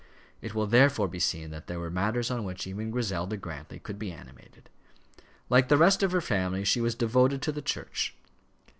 It will therefore be seen that there were matters on which even Griselda Grantly could be animated. Like the rest of her family she was devoted to the Church.